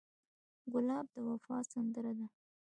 ګلاب د وفا سندره ده.